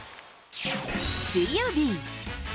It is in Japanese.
水曜日。